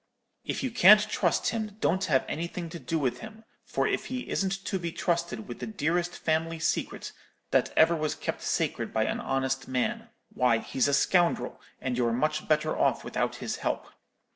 If you can't trust him don't have anything to do with him; for if he isn't to be trusted with the dearest family secret that ever was kept sacred by an honest man, why he's a scoundrel, and you're much better off without his help.